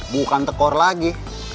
bukan tekor lagi